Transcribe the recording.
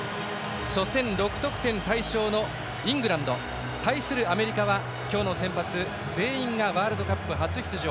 初戦、６得点大勝のイングランド。対するアメリカは今日の先発、全員がワールドカップ初出場。